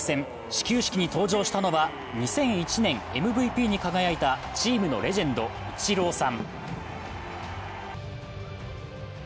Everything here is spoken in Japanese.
始球式に登場したのは２００１年ＭＶＰに輝いたチームのレジェンド、イチローさん。